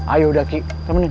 ayo udah ki temenin